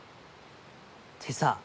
ってさ